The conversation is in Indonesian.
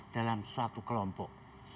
dalam suatu kelompok